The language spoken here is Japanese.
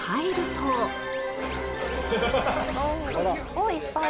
おっいっぱい。